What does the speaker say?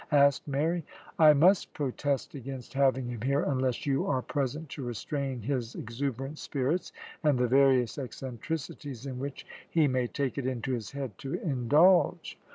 asked Mary. "I must protest against having him here unless you are present to restrain his exuberant spirits, and the various eccentricities in which he may take it into his head to indulge."